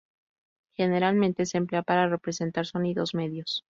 Generalmente se emplea para representar sonidos medios.